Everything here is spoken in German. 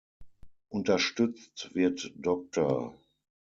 Unterstützt wird Dr.